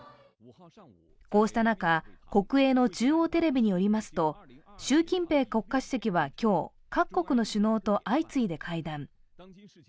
こうした中、国営の中央テレビによりますと、習近平国家主席は今日、各国の首脳と相次いで会談。